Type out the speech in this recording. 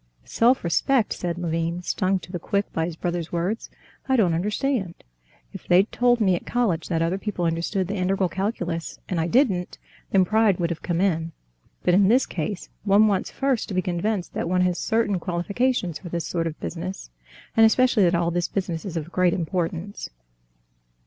"Self respect!" said Levin, stung to the quick by his brother's words; "I don't understand. If they'd told me at college that other people understood the integral calculus, and I didn't, then pride would have come in. But in this case one wants first to be convinced that one has certain qualifications for this sort of business, and especially that all this business is of great importance."